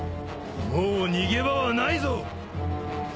もう逃げ場はないぞ。